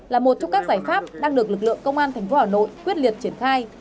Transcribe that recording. là một trong các giải pháp đang được lực lượng công an tp hà nội quyết liệt triển khai